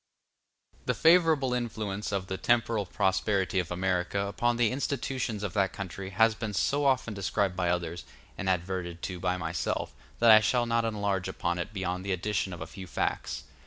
The favorable influence of the temporal prosperity of America upon the institutions of that country has been so often described by others, and adverted to by myself, that I shall not enlarge upon it beyond the addition of a few facts.